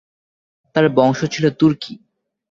তার বংশ ছিল তুর্কি।